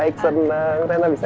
gue lihat lagu bandung terbaru di ya